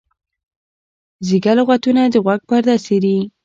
زیږه لغتونه د غوږ پرده څیري.